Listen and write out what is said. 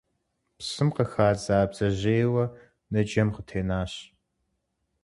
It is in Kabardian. Псым къыхадза бдзэжьейуэ ныджэм къытенащ.